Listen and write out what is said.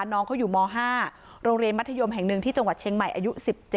น้องเขาอยู่ม๕โรงเรียนมัธยมแห่งหนึ่งที่จังหวัดเชียงใหม่อายุ๑๗